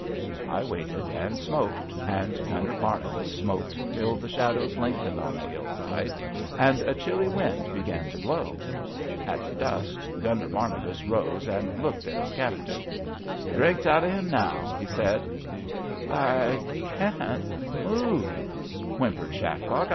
I waited and smoked, and Gunner Barnabas smoked till the shadows lengthened on the hillside, and a chilly wind began to blow. At dusk Gunner 110 ABAFT THE FUNNEL Barnabas rose and looked at his captive* Drink ^s out o' 'im now,'' he said. I can't move," whimpered Shacklock.